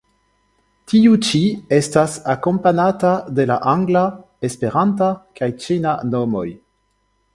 Tiu ĉi estas akompanata de la angla, Esperanta kaj ĉina nomoj.